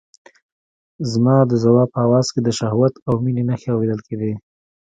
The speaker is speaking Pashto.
زما د ځواب په آواز کې د شهوت او مينې نښې اورېدل کېدې.